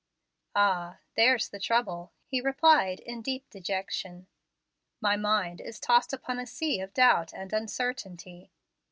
"Ah, there is the trouble," he replied, in deep dejection. "My mind is tossed upon a sea of doubt and uncertainty."